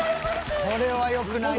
「これはよくないよ」